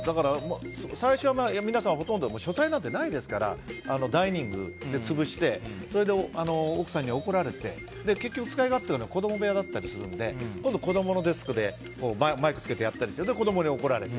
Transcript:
最初は皆さんほとんど書斎なんてないですからダイニングを潰して奥さんに怒られて結局、使い勝手がいいのが子供部屋だったりするので今度子供のデスクでマイクつけてやったりして子供に怒られて。